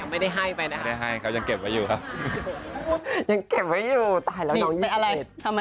ไม่ได้ให้แล้วยังเก็บไว้อยู่ครับ